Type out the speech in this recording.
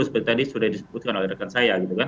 seperti tadi sudah disebutkan oleh rekan saya